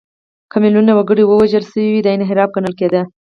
که میلیونونه وګړي وژل شوي وي، دا انحراف ګڼل کېده.